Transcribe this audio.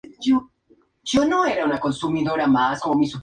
De la articulación inferior, cuyas inflamaciones tienen un borde frontal hueco.